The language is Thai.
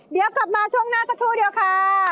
เดี๋ยวกลับมาช่วงหน้าสักครู่เดียวค่ะ